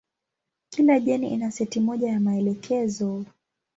Kila jeni ina seti moja ya maelekezo.